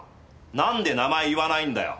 なんで名前言わないんだよ。